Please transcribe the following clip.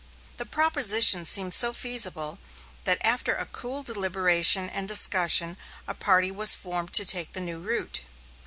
The proposition seemed so feasible, that after cool deliberation and discussion, a party was formed to take the new route.